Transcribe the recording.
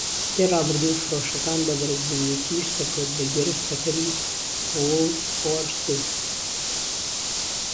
هەفتەی ڕابردوو فرۆشەکان بە "بەرز بوونەوەی تیژ" سەرکەوت، بە گوێرەی قسەکەری ووڵوۆرسز.